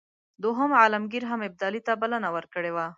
دوهم عالمګیر هم ابدالي ته بلنه ورکړې وه.